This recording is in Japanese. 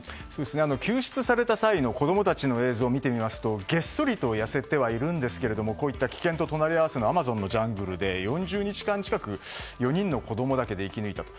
救出された際の子供たちの映像を見てみますと、げっそりと痩せてはいるんですけどこういった危険と隣り合わせのジャングルで４０日間近く４人の子供だけで生き抜いたと。